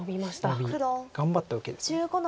ノビ頑張った受けです。